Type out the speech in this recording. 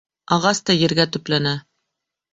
Ағас та ергә төпләнә.